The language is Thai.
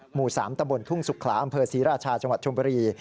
หมู่๓ตะบนทุ่งสุขลาอำเภอศรีราชาจังหวัดชมบุรี